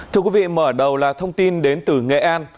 thưa quý vị mở đầu là thông tin đến từ nghệ an